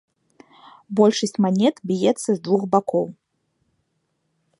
Большасць манет б'ецца з двух бакоў.